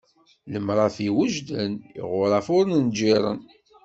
Lemrafi wejden, iɣuṛaf ur nǧiṛen!